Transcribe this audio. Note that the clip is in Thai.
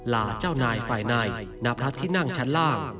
เจ้านายฝ่ายในณพระที่นั่งชั้นล่าง